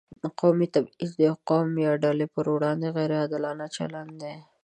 قومي تبعیض د یو قوم یا ډلې پر وړاندې غیر عادلانه چلند دی.